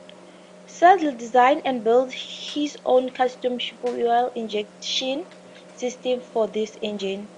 Sadler designed and built his own custom fuel injection system for this engine.